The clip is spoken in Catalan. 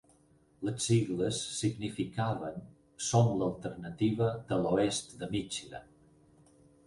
Les sigles significaven "Som l'alternativa de l'oest de Michigan".